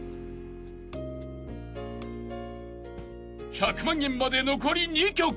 ［１００万円まで残り２曲。